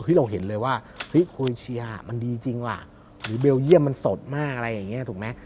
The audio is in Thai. เราเห็นเลยว่าเฮ้ยโคเอเชียมันดีจริงว่ะหรือเบลเยี่ยมมันสดมากอะไรอย่างนี้ถูกไหม